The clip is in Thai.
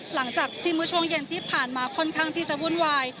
หลังจากที่เมื่อช่วงเย็นที่ผ่านมาค่อนข้างที่จะวุ่นวาย